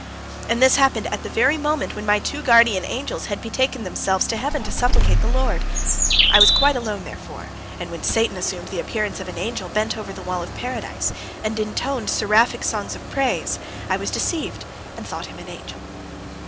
And this happened at the very moment when my two guardian angels had betaken themselves to heaven to supplicate the Lord. I was quite alone therefore, and when Satan assumed the appearance of an angel, bent over the wall of Paradise, and intoned seraphic songs of praise, I was deceived, and thought him an angel.